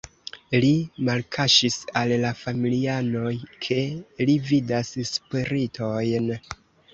Li malkaŝis al la familianoj, ke li vidas spiritojn.